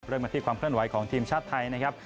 เริ่มกันที่ความเคลื่อนไหวของทีมชาติไทยนะครับ